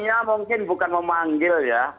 ya mungkin bukan memanggil ya